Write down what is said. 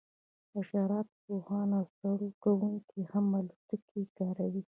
حشرات پوهان او سروې کوونکي هم الوتکې کاروي